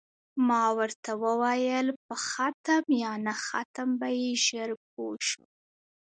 ما ورته وویل: په ختم یا نه ختم به یې ژر پوه شو.